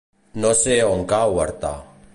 No sé on cau Artà.